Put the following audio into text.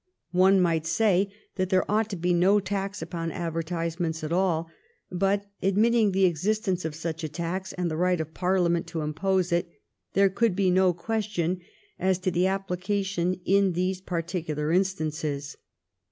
One might say that there ought to be no tax upon advertisements at all, but, admitting the existence of such a tax, and the right of Parliament to impose it, there could be no question as to the application in these par ticular instances.